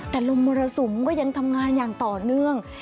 แต่ลมมรสุมก็ยังทำงานอย่างต่อเนื่อง